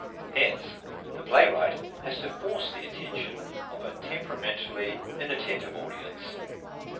Hence the playwright has to force the attention of a temperamentally inatten tive audience.